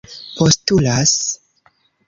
postulas